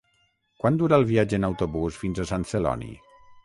Quant dura el viatge en autobús fins a Sant Celoni?